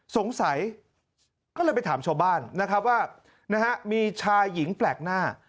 สงสัยก็เลยไปถามชาวบ้านนะครับว่ามีชายหญิงแปลกหน้า